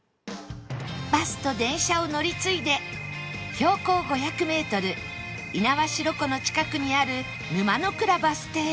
バスと電車を乗り継いで標高５００メートル猪苗代湖の近くにある沼の倉バス停へ